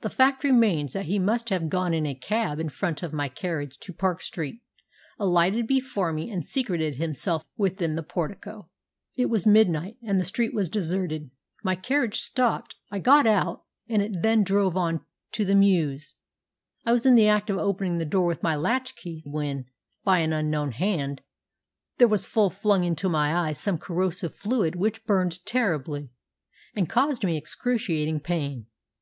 The fact remains that he must have gone in a cab in front of my carriage to Park Street, alighted before me, and secreted himself within the portico. It was midnight, and the street was deserted. My carriage stopped, I got out, and it then drove on to the mews. I was in the act of opening the door with my latch key when, by an unknown hand, there was flung full into my eyes some corrosive fluid which burned terribly, and caused me excruciating pain.